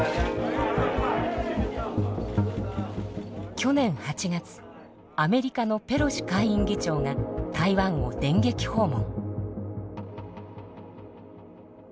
去年８月アメリカのペロシ下院議長が台湾を電撃訪問。